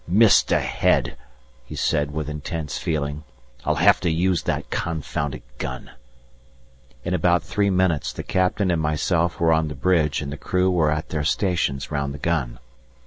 "Missed ahead!" he said, with intense feeling, "I'll have to use that confounded gun." In about three minutes the Captain and myself were on the bridge and the crew were at their stations round the gun.